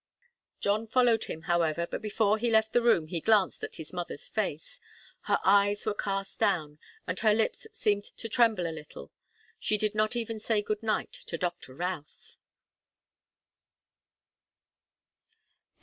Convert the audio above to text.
John followed him, however, but before he left the room he glanced at his mother's face. Her eyes were cast down, and her lips seemed to tremble a little. She did not even say good night to Doctor Routh.